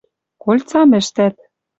кольцам ӹштӓт.